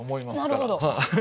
なるほど！